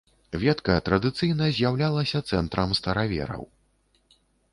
Ветка традыцыйна з'яўлялася цэнтрам старавераў.